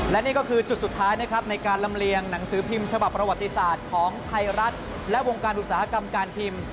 และนี่ก็คือจุดสุดท้ายนะครับในการลำเลียงหนังสือพิมพ์ฉบับประวัติศาสตร์ของไทยรัฐและวงการอุตสาหกรรมการพิมพ์